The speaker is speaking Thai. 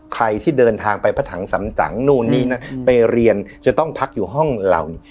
ใครที่เดินทางไปพระถังสำจังนู่นนี่นั่นไปเรียนจะต้องพักอยู่ห้องเรานี่